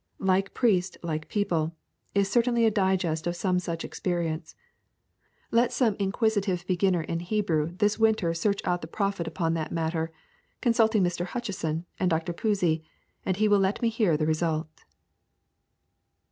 'Like priest like people' is certainly a digest of some such experience. Let some inquisitive beginner in Hebrew this winter search out the prophet upon that matter, consulting Mr. Hutcheson and Dr. Pusey, and he will let me hear the result.